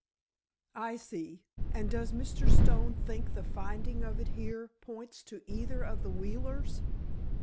"I see; and does Mr. Stone think the finding of it here points to either of the Wheelers?"